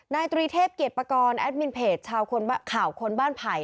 ตรีเทพเกียรติปกรณ์แอดมินเพจชาวข่าวคนบ้านไผ่